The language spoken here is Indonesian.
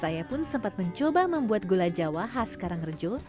saya pun sempat mencoba membuat gula jawa khas karangrejo